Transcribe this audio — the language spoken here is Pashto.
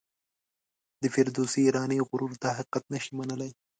د فردوسي ایرانی غرور دا حقیقت نه شي منلای.